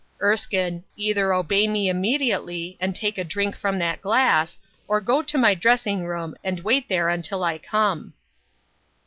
" Erskine, either obey me immediately, and take a drink from that glass, or go to my dressing room, and wait there until I come."